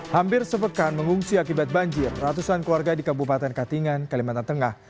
hampir sepekan mengungsi akibat banjir ratusan keluarga di kabupaten katingan kalimantan tengah